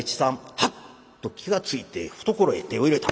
ハッと気が付いて懐へ手を入れた。